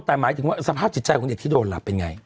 แต่หมายถึงว่าสภาพจิตใจของเด็กที่โดนหลับเป็นไง